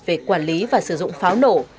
về quản lý và sử dụng pháo nổ